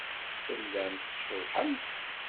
Tellamt tceḍḍḥemt.